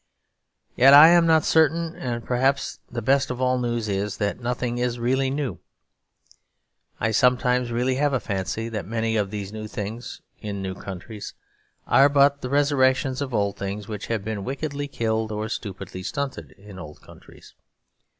Yet I am not certain; and perhaps the best of all news is that nothing is really new. I sometimes have a fancy that many of these new things in new countries are but the resurrections of old things which have been wickedly killed or stupidly stunted in old countries.